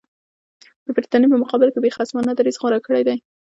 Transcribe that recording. د برټانیې په مقابل کې یې خصمانه دریځ غوره کړی دی.